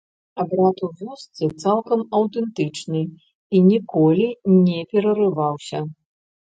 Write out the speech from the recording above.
Абрад у вёсцы цалкам аўтэнтычны і ніколі не перарываўся.